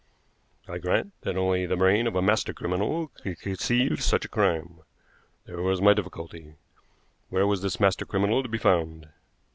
"I grant that only the brain of a master criminal could conceive such a crime. There was my difficulty. Where was this master criminal to be found?"